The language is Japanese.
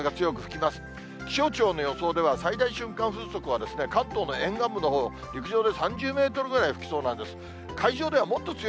気象庁の予想では、最大瞬間風速は、関東の沿岸部のほう、陸上で３０メートルぐらい吹きそうなんです。